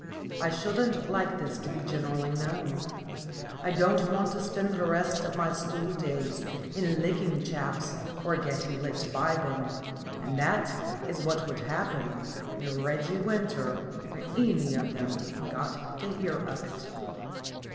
I shouldn't like this to be generally known. I don't want to spend the rest of my school days in licking chaps or getting licked by them, and that is what would happen if Reggie Winter or any of them got to hear of it.